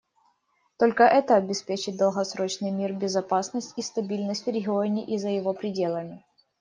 Только это обеспечит долгосрочный мир, безопасность и стабильность в регионе и за его пределами.